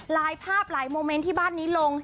หลายภาพหลายโมเมนต์ที่บ้านนี้ลง